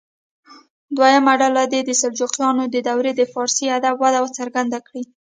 دویمه ډله دې د سلجوقیانو دورې د فارسي ادب وده څرګنده کړي.